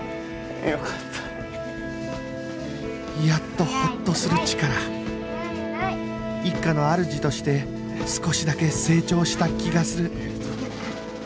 やっとホッとするチカラ一家の主として少しだけ成長した気がする